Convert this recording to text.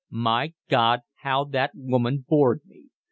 My God, how that woman bored me!